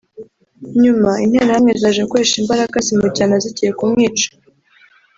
nyuma interahamwe zaje gukoresha imbaraga zimujyana zigiye kumwica